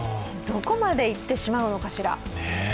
どこまで行ってしまうのかしら。